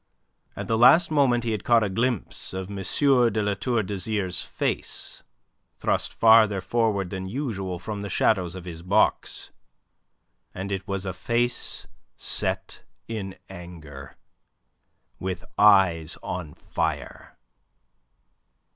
At the last moment he had caught a glimpse of M. de La Tour d'Azyr's face thrust farther forward than usual from the shadows of his box, and it was a face set in anger, with eyes on fire.